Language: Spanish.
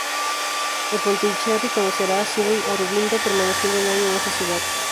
En Pondicherry conocerá a Sri Aurobindo, permaneciendo un año en esa ciudad.